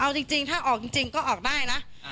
เอาจริงถ้าออกจริงก็ออกได้นะ